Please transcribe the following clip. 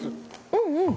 うんうん！